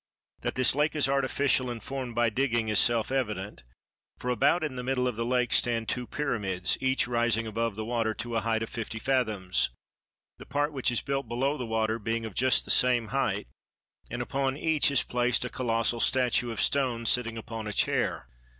That this lake is artificial and formed by digging is self evident, for about in the middle of the lake stand two pyramids, each rising above the water to a height of fifty fathoms, the part which is built below the water being of just the same height; and upon each is placed a colossal statue of stone sitting upon a chair.